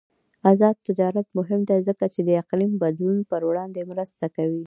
آزاد تجارت مهم دی ځکه چې د اقلیم بدلون پر وړاندې مرسته کوي.